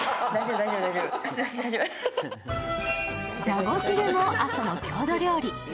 だご汁も阿蘇の郷土料理。